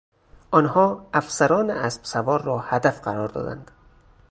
آنها افسران اسبسوار را هدف قرار دادند.